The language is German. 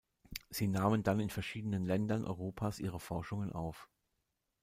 Sie nahmen dann in verschiedenen Ländern Europas ihre Forschungen auf.